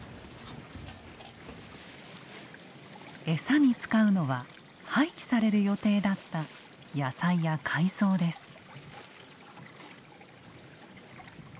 エサに使うのは廃棄される予定だった野菜や海藻です。